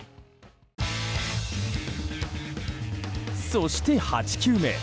そして、８球目。